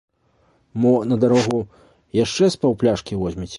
Мо на дарогу яшчэ з паўпляшкі возьмеце?